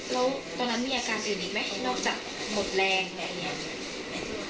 แล้วตอนนั้นมีอาการอื่นอีกไหมนอกจากหมดแรงแบบนี้